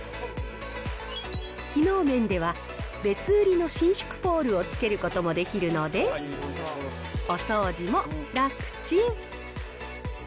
機能面では、別売りの伸縮ポールをつけることもできるので、お掃除も楽ちん。